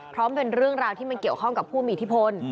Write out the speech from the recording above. พร้อมเป็นเรื่องราวที่มันเกี่ยวข้องกับผู้มีอิทธิพล